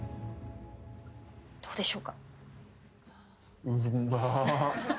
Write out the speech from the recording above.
どうでしょうか？